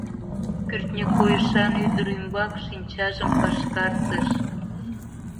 — кӱртньӧ койышан ӱдыр ӱмбак шинчажым пашкартыш.